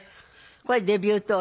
これデビュー当時？